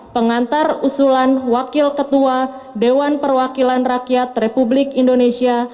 pengantar usulan wakil ketua dewan perwakilan rakyat republik indonesia